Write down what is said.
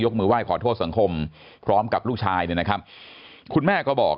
มือไห้ขอโทษสังคมพร้อมกับลูกชายเนี่ยนะครับคุณแม่ก็บอก